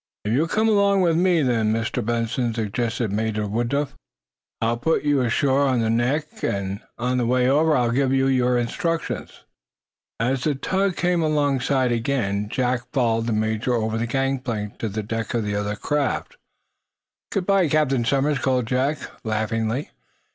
"If you will come along with me, then, Mr. Benson," suggested Major Woodruff, "I will put you ashore on the neck. On the way over I will give you your instructions." As the tug came alongside again Jack followed the major over the gang plank to the deck of the other craft. "Good bye, Captain Somers," called Jack, laughingly.